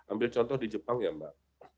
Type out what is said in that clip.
ambil contoh di jepang ya mbak